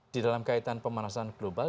di dalam kaitan pemanasan global